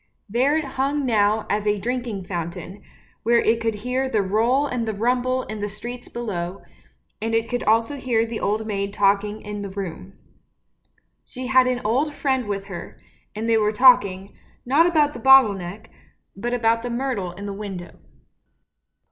There it hung now as a drinking fountain, where it could hear the roll and the rumble in the streets below, and it could also hear the old maid talking in the room. She had an old friend with her, and they were talking, not about the bottle neck, but about the myrtle in the window.